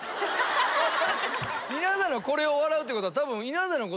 稲田のこれを笑うってことは。